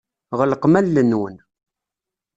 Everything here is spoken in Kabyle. Ɣelqem allen-nwen.